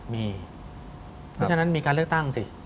มีเพราะฉะนั้นมีการเลือกตั้งสิ